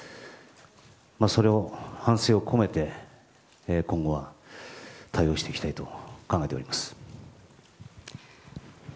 それを反省を込めて今後は対応していきたいと考えております。